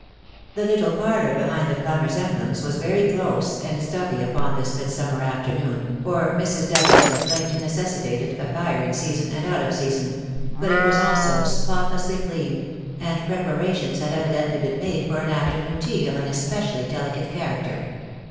The little parlour behind the plumber's emblems was very close and stuffy upon this midsummer afternoon, for Mrs. Dugget's complaint necessitated a fire in season and out of season; but it was also spotlessly clean, and pre parations had evidently been made for an afternoon tea of an especially delicate character.